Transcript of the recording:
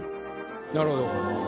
なるほど。